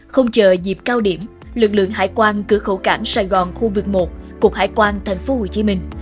không chờ dịp cao điểm lực lượng hải quan cửa khẩu cảng sài gòn khu vực một cục hải quan thành phố hồ chí minh